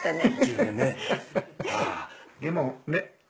でもね。